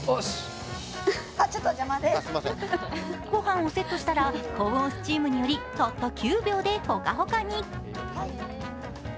ご飯をセットしたら保温スチームによりたった９秒でほかほかに。